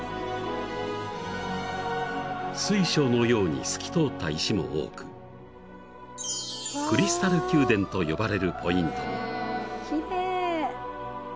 ［水晶のように透き通った石も多くクリスタル宮殿と呼ばれるポイントも］